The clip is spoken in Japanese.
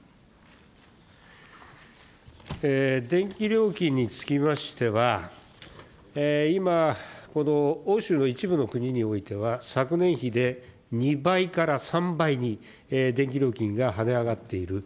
電気料金につきましては、今この欧州の一部の国においては昨年比で２倍から３倍に電気料金が跳ね上がっている。